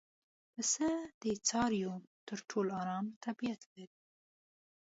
پسه د څارویو تر ټولو ارام طبیعت لري.